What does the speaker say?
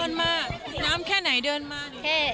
ร่องน้ำมา